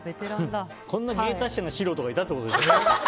こんな芸達者な素人がいたってことだね。